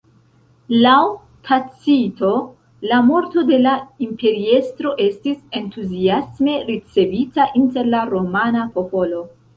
Laŭ Tacito la morto de la imperiestro estis entuziasme ricevita inter la romana popolo.